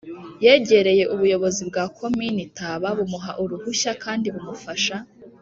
Yegereye ubuyobozi bwa komini taba bumuha uruhushya kandi bumufasha